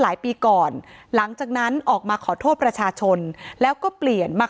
หลายปีก่อนหลังจากนั้นออกมาขอโทษประชาชนแล้วก็เปลี่ยนมา